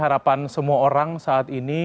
harapan semua orang saat ini